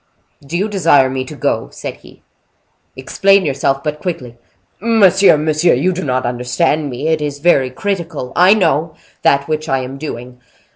"Do you desire me to go?" said he. "Explain yourself—but quickly." "Monsieur, monsieur, you do not understand me. It is very critical—I know—that which I am doing.